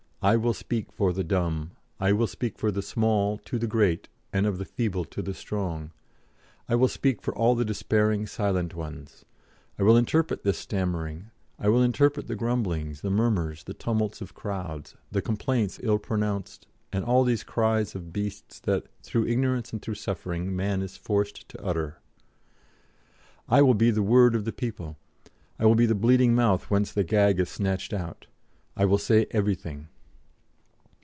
I will speak for the dumb. I will speak of the small to the great and of the feeble to the strong.... I will speak for all the despairing silent ones. I will interpret this stammering; I will interpret the grumblings, the murmurs, the tumults of crowds, the complaints ill pronounced, and all these cries of beasts that, through ignorance and through suffering, man is forced to utter ... I will be the Word of the People. I will be the bleeding mouth whence the gag is snatched out. I will say everything."